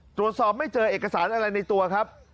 ตรวจสอบไม่เจอเอกสารอะไรในตัวครับ